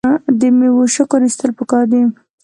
د میوو شکر ایستل پکار دي.